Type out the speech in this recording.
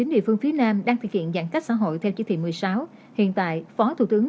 một mươi chín địa phương phía nam đang thực hiện giãn cách xã hội theo chí thị một mươi sáu hiện tại phó thủ tướng